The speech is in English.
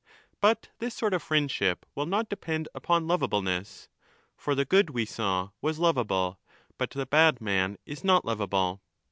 But this sort of friendship will not depend upon lovableness. For the good, we saw,^ v.as lovable, 15 but the bad man is not lovable.